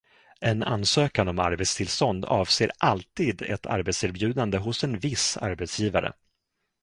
En ansökan om arbetstillstånd avser alltid ett arbetserbjudande hos en viss arbetsgivare.